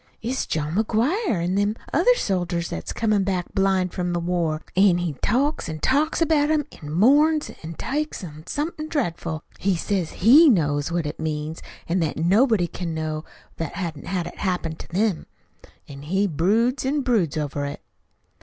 "It's John McGuire an' them other soldiers what's comin' back blind from the war. An' he talks an' talks about 'em, an' mourns an' takes on something dreadful. He says HE knows what it means, an' that nobody can know what hain't had it happen to 'em. An' he broods an' broods over it."